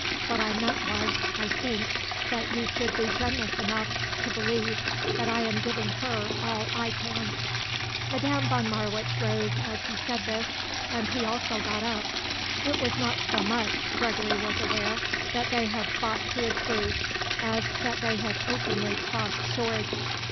What I meant was, I think, that you should be generous enough to believe that I am giving her all I can." Madame von Marwitz rose as he said this and he also got up. It was not so much, Gregory was aware, that they had fought to a truce as that they had openly crossed swords.